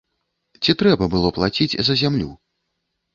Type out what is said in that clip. Ці трэба было плаціць за зямлю?